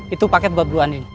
itu paket buat bu andin